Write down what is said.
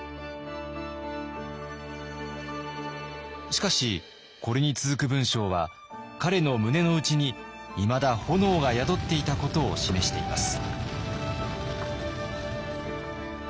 しかしこれに続く文章は彼の胸の内にいまだ炎が宿っていたことを示しています。